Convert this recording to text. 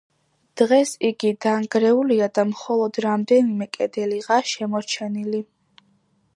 დღეს იგი დანგრეულია და მხოლოდ რამდენიმე კედელიღაა შემორჩენილი.